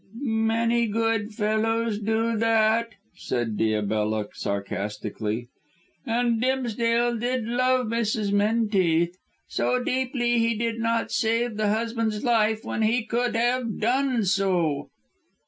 "Many good fellows do that," said Diabella sarcastically; "and Dimsdale did love Mrs. Menteith: so deeply that he did not save the husband's life when he could have done so."